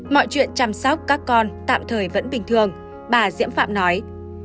mọi chuyện chăm sóc các con tạm thời vẫn bình thường bà diễm phạm nói